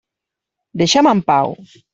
Deixa'm en pau!